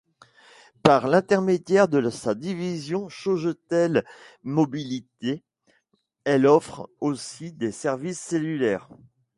Par l'intermédiaire de sa division Sogetel Mobilité, elle offre aussi des services cellulaires.